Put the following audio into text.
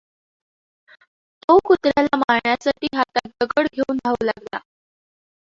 तो कुत्र्याला मारण्यासाठी हातात दगड घेऊन धावू लागला.